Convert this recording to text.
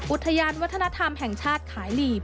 อุทยานวัฒนธรรมแห่งชาติขายหลีบ